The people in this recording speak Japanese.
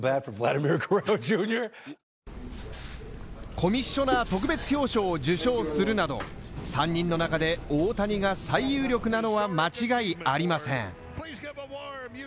コミッショナー特別表彰を受賞するなど、３人の中で、大谷が最有力なのは間違いありません。